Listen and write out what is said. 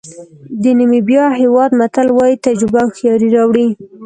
د نیمبیا هېواد متل وایي تجربه هوښیاري راوړي.